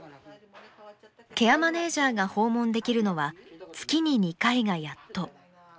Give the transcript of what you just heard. ケアマネージャーが訪問できるのは月に２回がやっと。